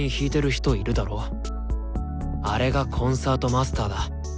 あれがコンサートマスターだ。